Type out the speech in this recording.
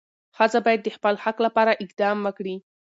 ښځه باید د خپل حق لپاره اقدام وکړي.